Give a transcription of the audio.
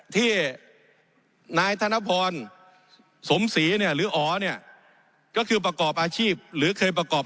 ที่นายธนพรสมศรีเนี่ยหรืออ๋อเนี่ยก็คือประกอบอาชีพหรือเคยประกอบ